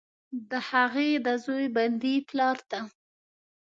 د هغې، د زوی، بندي پلارته،